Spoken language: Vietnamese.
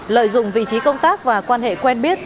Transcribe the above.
lợi dụng vị trí công tác và quan hệ quen biết